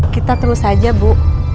kita terus aja bu